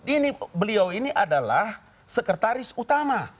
ini beliau ini adalah sekretaris utama